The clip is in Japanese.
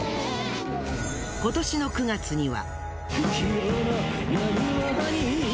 今年の９月には。